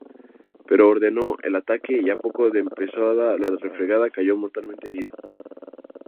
Pero ordenó el ataque, y a poco de empezada la refriega cayó mortalmente herido.